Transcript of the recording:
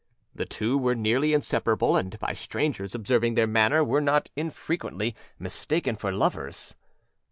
The two were nearly inseparable, and by strangers observing their manner were not infrequently mistaken for lovers.